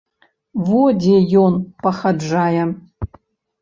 Во дзе ён пахаджае!